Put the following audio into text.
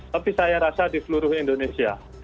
tapi saya rasa di seluruh indonesia